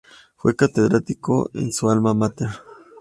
Fue catedrático en su alma máter.